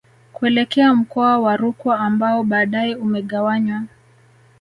Kuelekea mkoa wa Rukwa ambao baadae umegawanywa